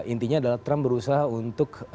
intinya adalah trump berusaha untuk